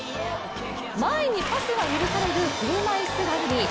前にパスが許される車いすラグビー。